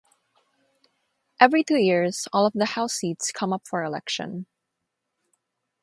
Every two years, all of the house seats come up for election.